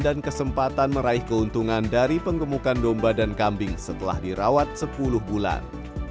dan kesempatan meraih keuntungan dari pengemukan domba dan kambing setelah dirawat sepuluh bulan